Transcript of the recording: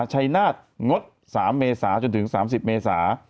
ชัยนาฏงด๓เมษาจนถึง๓๐เมษา